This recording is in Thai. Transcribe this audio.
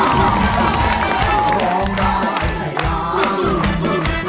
ได้ครับ